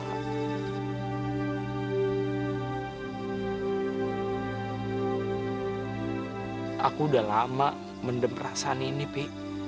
aku udah lama mendem perasaan ini pi